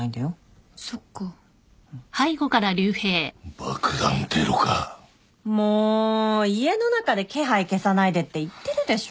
爆弾テロか。も家の中で気配消さないでって言ってるでしょ。